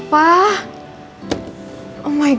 kita akan mem nawet